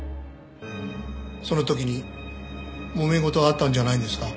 その時にもめ事があったんじゃないんですか？